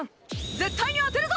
絶対に当てるぞ！